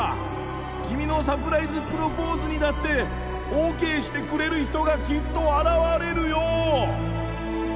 君のサプライズプロポーズにだってオーケーしてくれる人がきっと現れるよ！